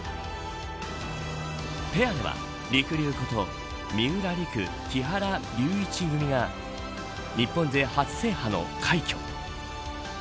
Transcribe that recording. ペアでは、りくりゅうこと三浦璃来、木原龍一組が日本勢初制覇の快挙。